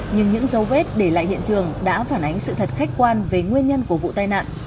nhưng những dấu vết để lại hiện trường đã phản ánh sự thật khách quan về nguyên nhân của vụ tai nạn